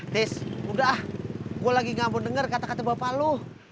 des udah lah gue lagi ngambo denger kata kata bapak lo